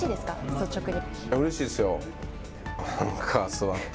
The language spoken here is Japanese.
率直に。